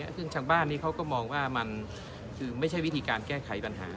ซึ่งทางบ้านนี้เขาก็มองว่ามันคือไม่ใช่วิธีการแก้ไขปัญหา